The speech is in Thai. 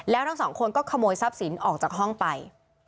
แล้วทั้งสองคนก็ขโมยทรัพย์สินออกจากห้องไป